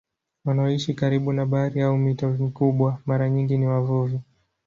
Wanaoishi karibu na bahari au mito mikubwa mara nyingi ni wavuvi.